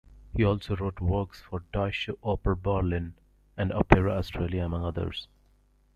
He also wrote works for Deutsche Oper Berlin and Opera Australia among others.